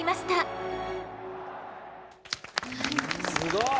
えすごい！